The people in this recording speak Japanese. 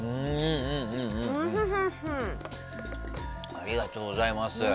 ありがとうございます。